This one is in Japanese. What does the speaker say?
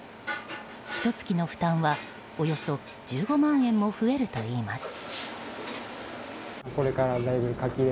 ひと月の負担はおよそ１５万円も増えるといいます。